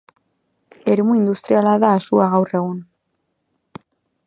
Eremu industriala da Asua gaur egun.